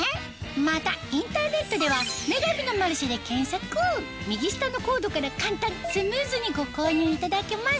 またインターネットでは右下のコードから簡単スムーズにご購入いただけます